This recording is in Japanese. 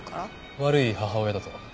悪い母親だと？